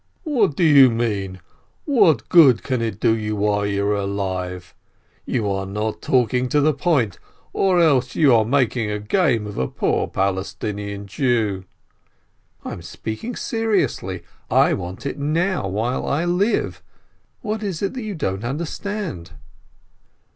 "What do you mean? What good can it do you while you're alive? You are not talking to the point, or else you are making game of a poor Palestinian Jew?" "I am speaking seriously. I want it now, while I live ! What is it you don't understand